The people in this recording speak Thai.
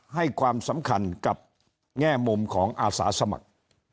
ให้ความสำคัญกับแง่มุมของอาสาสมัคร